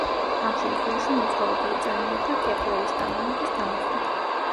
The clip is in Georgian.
ამ შემთხვევაში მოძრაობა იწარმოება კეპლერის კანონების თანახმად.